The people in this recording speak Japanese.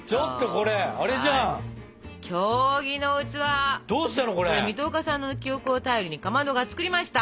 これ水戸岡さんの記憶を頼りにかまどが作りました！